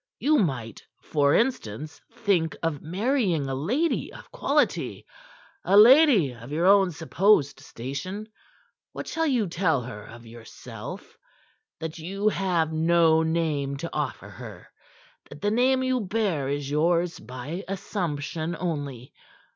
You might, for instance, think of marrying a lady of quality, a lady of your own supposed station. What shall you tell her of yourself? That you have no name to offer her; that the name you bear is yours by assumption only?